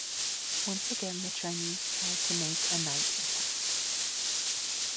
Once again the Chinese tried to make a night attack.